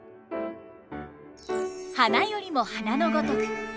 「花よりも花の如く」。